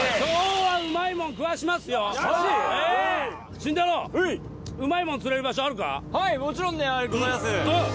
はいもちろんでございます。